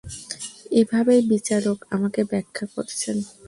এভাবেই বিচারক আমাকে ব্যাখ্যা করেছেন।